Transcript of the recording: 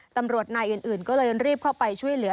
ตำรวจนายอื่นก็เลยรีบเข้าไปช่วยเหลือ